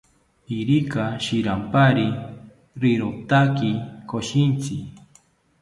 Irika shirampari rirotaki koshintzi